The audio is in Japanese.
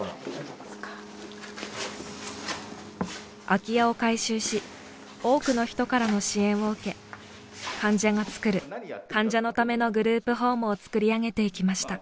空き家を改修し多くの人からの支援を受け患者がつくる患者のためのグループホームをつくり上げていきました。